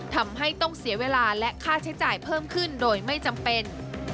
ทำให้ต้องเสียเวลาและค่าใช้จ่ายเพิ่มขึ้นโดยไม่จำเป็น